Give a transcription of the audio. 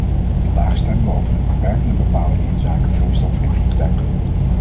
Vandaag stemmen we over de beperkende bepalingen inzake vloeistoffen in vliegtuigen.